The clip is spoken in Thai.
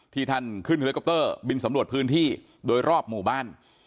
ท่านขึ้นเฮลิคอปเตอร์บินสำรวจพื้นที่โดยรอบหมู่บ้าน